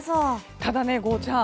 ただね、ゴーちゃん。